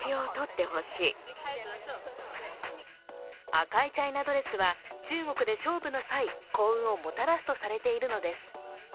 赤いチャイナドレスは中国で勝負の際、幸運をもたらすとされているのです。